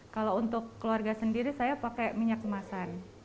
kalau untuk keluarga sendiri saya pakai minyak kemasan